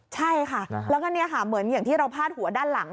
ใช่ค่ะแล้วก็เนี่ยค่ะเหมือนอย่างที่เราพาดหัวด้านหลัง